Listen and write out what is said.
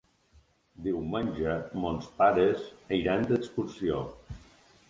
Diumenge mons pares iran d'excursió.